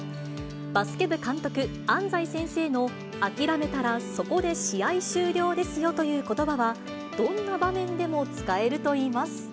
バスケ部監督、安西先生の諦めたらそこで試合終了ですよということばは、どんな場面でも使えるといいます。